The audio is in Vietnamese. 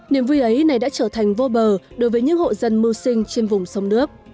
niềm vui ấy này đã trở thành vô bờ đối với những hộ dân mưu sinh trên vùng sông nước